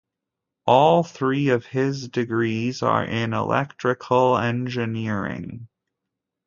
All three of his degrees are in electrical engineering.